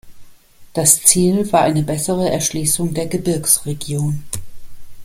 Das Ziel war eine bessere Erschließung der Gebirgsregion.